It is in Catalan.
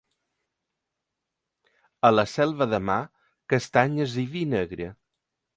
A la Selva de Mar, castanyes i vi negre.